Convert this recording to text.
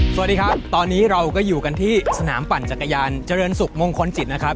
สวัสดีครับตอนนี้เราก็อยู่กันที่สนามปั่นจักรยานเจริญสุขมงคลจิตนะครับ